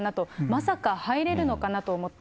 まさか入れるのかなと思った。